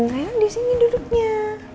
renna disini duduknya